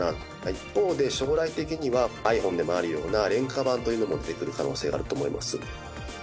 一方で、将来的にはｉＰｈｏｎｅでもあるような廉価版というものも出てくる可能性があると思います。